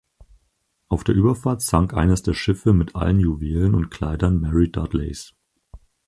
Auf der Überfahrt sank eines der Schiffe mit allen Juwelen und Kleidern Mary Dudleys.